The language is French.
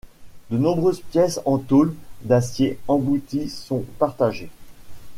De nombreuses pièces en tôle d'acier embouti sont partagées.